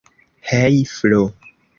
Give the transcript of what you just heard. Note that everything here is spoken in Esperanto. Hej Flo!